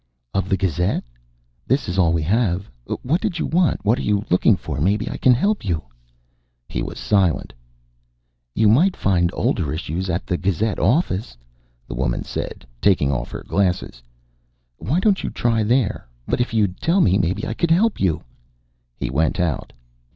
"Of the Gazette? This is all we have. What did you want? What are you looking for? Maybe I can help you." He was silent. "You might find older issues at the Gazette office," the woman said, taking off her glasses. "Why don't you try there? But if you'd tell me, maybe I could help you " He went out.